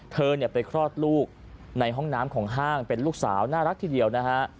เธอไปคลอดลูกในห้องน้ำของห้างเป็นลูกสาวน่ารักทีเดียวนะฮะ